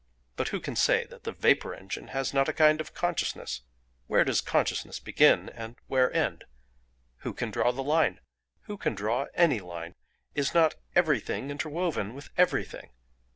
"But who can say that the vapour engine has not a kind of consciousness? Where does consciousness begin, and where end? Who can draw the line? Who can draw any line? Is not everything interwoven with everything?